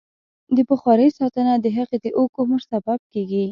د بخارۍ ساتنه د هغې د اوږد عمر سبب کېږي.